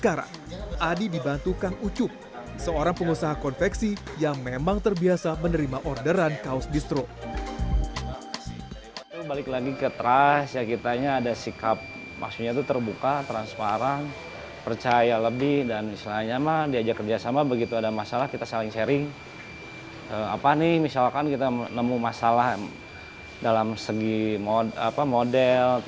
kita saling sharing misalkan kita menemukan masalah dalam segi model